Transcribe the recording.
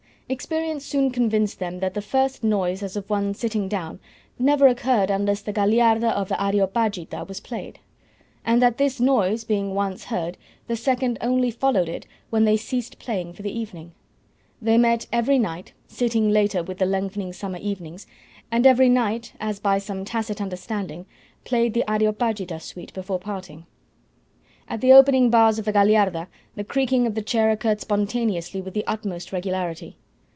Experience soon convinced them that the first noise as of one sitting down never occurred unless the Gagliarda of the "Areopagita" was played, and that this noise being once heard, the second only followed it when they ceased playing for the evening. They met every night, sitting later with the lengthening summer evenings, and every night, as by some tacit understanding, played the "Areopagita" suite before parting. At the opening bars of the Gagliarda the creaking of the chair occurred spontaneously with the utmost regularity.